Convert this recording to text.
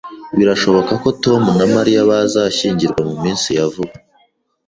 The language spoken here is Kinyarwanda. Birashoboka ko Tom na Mariya bazashyingirwa mu minsi ya vuba